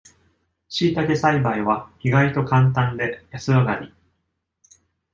しいたけ栽培は意外とカンタンで安上がり